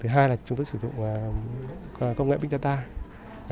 thứ hai là chúng tôi sử dụng công nghệ big data